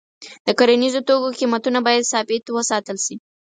د کرنیزو توکو قیمتونه باید ثابت وساتل شي.